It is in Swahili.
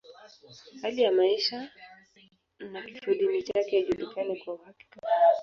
Hali ya maisha na kifodini chake haijulikani kwa uhakika.